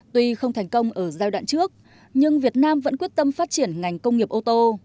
tuy không thành công ở giai đoạn trước nhưng việt nam vẫn quyết tâm phát triển ngành công nghiệp ô tô